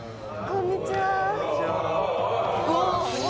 こんにちは。